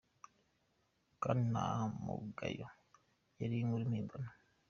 Kandi nta mugayo, yari inkuru mpimbano!